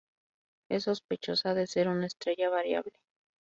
Es sospechosa de ser una estrella variable.